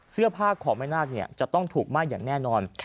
เสื้อผ้าของแม่นาคจะต้องถูกไหม้อย่างแน่นอน